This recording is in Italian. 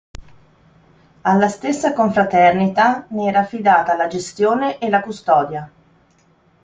Alla stessa confraternita ne era affidata la gestione e la custodia.